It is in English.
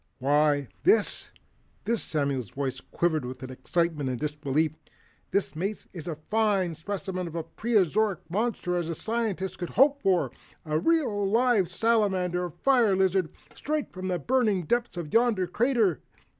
"Why, this this " Samuel's voice quivered with excitement and disbelief, "this, Mates, is as fine a specimen of a Preoztoric Monster as a scientist could hope for; a real live salamander, a fire lizard, straight from the burning depths of yonder crater.